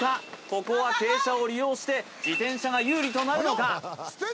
ここは傾斜を利用して自転車が有利となるのか？